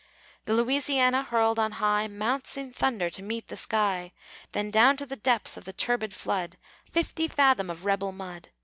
The Louisiana, hurled on high, Mounts in thunder to meet the sky! Then down to the depths of the turbid flood, Fifty fathom of rebel mud!